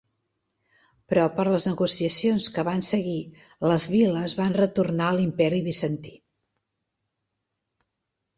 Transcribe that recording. Però per les negociacions que van seguir, les viles van retornar a l'Imperi Bizantí.